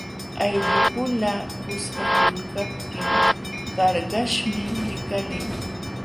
Ayllupula kuskakulkaptin qarqaśhmi likalin.